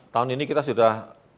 tahun ini kita sudah